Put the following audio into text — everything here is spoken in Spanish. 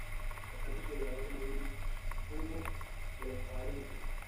Está considerado como uno de los padres del cine.